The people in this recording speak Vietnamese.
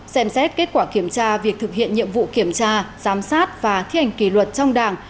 xem xét kết quả kiểm tra việc thực hiện nhiệm vụ kiểm tra giám sát và thi hành kỷ luật trong đảng